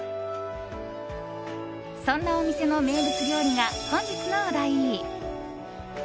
そんなお店の名物料理が本日のお題。